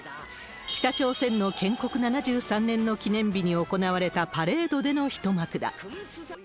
北朝鮮の建国７３年の記念日に行われたパレードでの一幕だ。